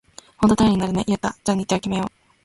ほんと頼りになるね、ユウタ。じゃあ日程を決めよう！